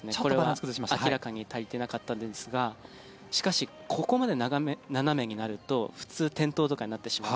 明らかに足りてなかったんですがしかし、ここまで斜めになると普通、転倒とかになってしまう。